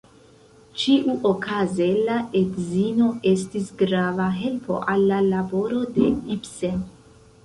Ĉiuokaze la edzino estis grava helpo al la laboro de Ibsen.